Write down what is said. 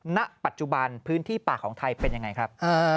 ณปัจจุบันพื้นที่ป่าของไทยเป็นยังไงครับ